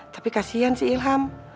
tapi kasian si ilham